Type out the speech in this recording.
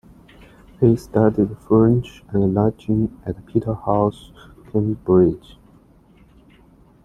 He studied French and Latin at Peterhouse, Cambridge.